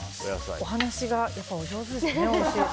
お話がお上手ですね。